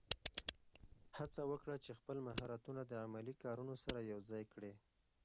هڅه وکړه چې خپل مهارتونه د عملي کارونو سره یوځای کړې.